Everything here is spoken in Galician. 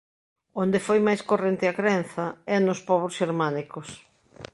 Onde foi máis corrente a crenza é nos pobos xermánicos.